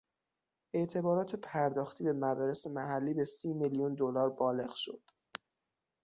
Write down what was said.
اعتبارات پرداختی به مدارس محلی به سی میلیون دلار بالغ شد.